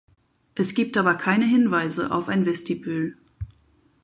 Es gibt aber keine Hinweise auf ein Vestibül.